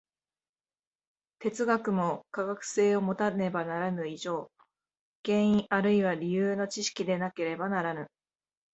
哲学も科学性をもたねばならぬ以上、原因あるいは理由の知識でなければならぬ。